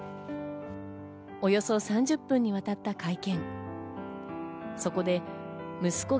およそ３０分にわたった会見。